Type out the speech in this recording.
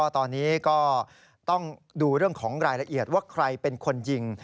ตอนนี้ก็ต้องดูเรื่องของรายละเอียดว่าใครเป็นคนยิง